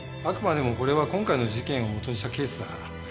あくまでもこれは今回の事件をもとにしたケースだから。